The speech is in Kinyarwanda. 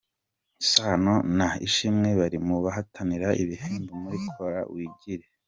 Sano na ishimwe bari mu bahatanira ibihembo muri Kora wigire